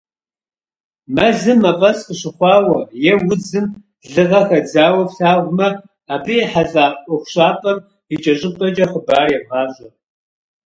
Мэзым мафӀэс къыщыхъуауэ е удзым лыгъэ хадзауэ флъагъумэ, абы ехьэлӏа ӀуэхущӀапӀэм икӏэщӏыпӏэкӏэ хъыбар евгъащӀэ!